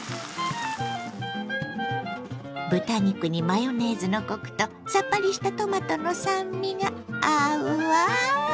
豚肉にマヨネーズのコクとさっぱりしたトマトの酸味が合うわ。